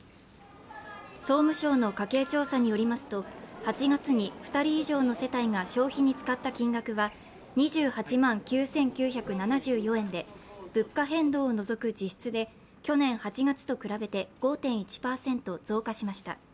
総務省の家計調査によりますと、８月に２人以上の世帯が消費に使った金額は２８万９９７４円で物価変動を除く実質で去年８月と比べて５．１％増加しました。